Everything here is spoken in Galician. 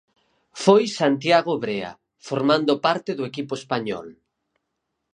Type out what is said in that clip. Foi Santiago Brea, formando parte do equipo español.